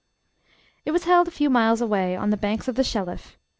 It was held a few miles away, on the banks of the Shelliff.